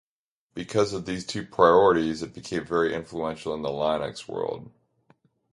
Because of these two priorities it became very influential in the Linux world.